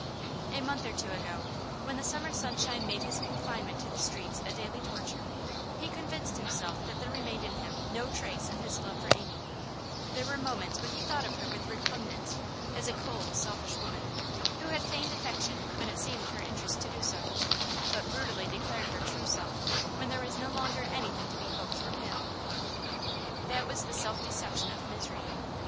A month or two ago, when the summer sunshine made his confinement to the streets a daily torture, he convinced himself that there remained in him no trace of his love for Amy; there were moments when he thought of her with repugnance, as a cold, selfish woman, who had feigned affection when it seemed her interest to do so, but brutally declared her true self when there was no longer anything to be hoped from him. That was the self deception of misery.